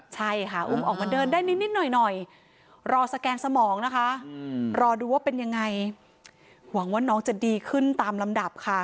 ใช่ค่ะอุ้มออกมาเดินได้นิดหน่อยรอสแกนสมองนะคะรอดูว่าเป็นยังไงหวังว่าน้องจะดีขึ้นตามลำดับค่ะ